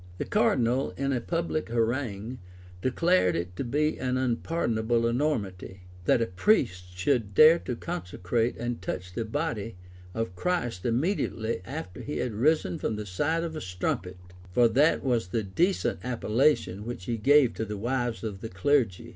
[] The cardinal, in a public harangue, declared it to be an unpardonable enormity, that a priest should dare to consecrate and touch the body of Christ immediately after he had risen from the side of a strumpet; for that was the decent appellation which he gave to the wives of the clergy.